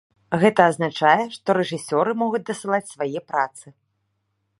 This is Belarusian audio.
Гэта азначае, што рэжысёры могуць дасылаць свае працы.